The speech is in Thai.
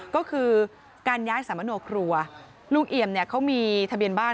ก็คือการย้ายสามโนครัวลุงเอี่ยมเนี่ยเขามีทะเบียนบ้าน